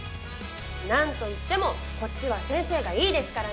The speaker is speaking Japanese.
何といってもこっちは先生がいいですからね！